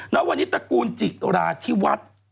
ณวันนี้ตระกูลจิราธิวัฒน์